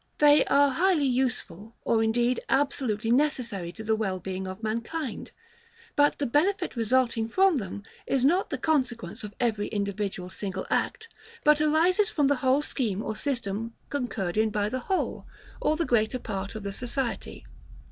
They are highly useful, or indeed absolutely necessary to the well being of mankind: but the benefit resulting from them is not the consequence of every individual single act; but arises from the whole scheme or system concurred in by the whole, or the greater part of the society.